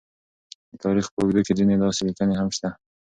د تاریخ په اوږدو کې ځینې داسې لیکنې هم شته،